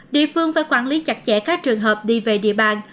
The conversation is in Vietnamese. địa phương phải quản lý chặt chẽ các trường hợp đi về địa bàn